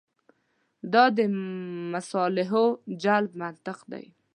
دا د مصالحو جلب منطق دی.